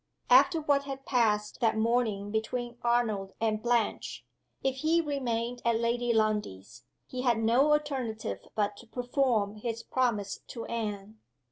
After what had passed that morning between Arnold and Blanche, if he remained at Lady Lundie's, he had no alternative but to perform his promise to Anne.